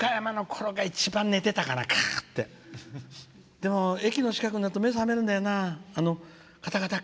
でも駅の近くになると目が覚めるんだよな。